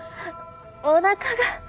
おなかが。